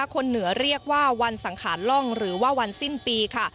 คนเหนือเรียกว่าวันสังขารล่องหรือว่าวันสิ้นปีค่ะ